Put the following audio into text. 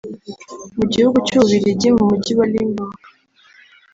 Mu gihugu cy’u Bubiligi mu Mujyi wa Limbourg